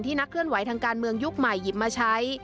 นักเคลื่อนไหวทางการเมืองยุคใหม่หยิบมาใช้